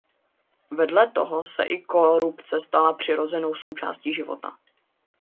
Vedle toho se i korupce stala přirozenou součástí života.